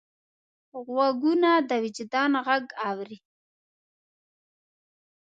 غوږونه د وجدان غږ اوري